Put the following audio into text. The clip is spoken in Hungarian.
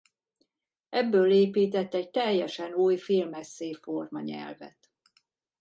Ebből épített egy teljesen új filmesszé-formanyelvet.